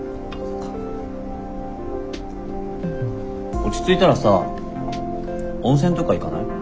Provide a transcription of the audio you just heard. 落ち着いたらさ温泉とか行かない？